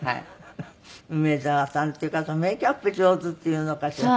梅沢さんってメーキャップ上手っていうのかしら。